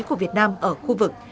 của việt nam ở khu vực